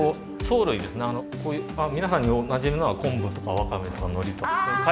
皆さんにおなじみのは昆布とかワカメとかノリとか。